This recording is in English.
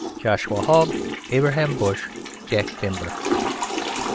JOSHUA HOGG ABRAHAM BUSH JACK BIMBER.